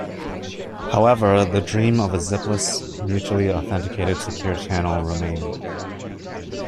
However, the dream of a "zipless" mutually authenticated secure channel remained.